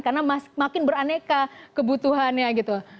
karena makin beraneka kebutuhannya gitu